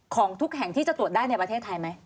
ของทุกแห่งที่จะตรวจได้ในประเทศไทยไหม